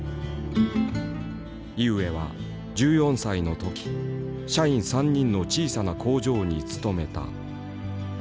井植は１４歳の時社員３人の小さな工場に勤めた。